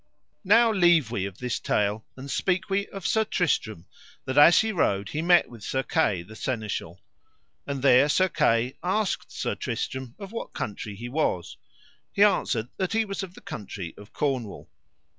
Now leave we of this tale, and speak we of Sir Tristram, that as he rode he met with Sir Kay, the Seneschal; and there Sir Kay asked Sir Tristram of what country he was. He answered that he was of the country of Cornwall.